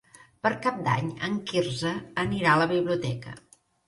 Per Cap d'Any en Quirze anirà a la biblioteca.